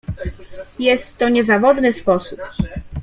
"Jest to niezawodny sposób."